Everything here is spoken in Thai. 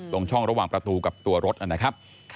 ตรงช่องระหว่างประตูกับตัวรถนะครับ